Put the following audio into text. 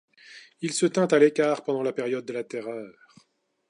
Il se tint à l'écart pendant la période de la Terreur.